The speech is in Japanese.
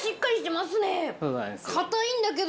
硬いんだけど。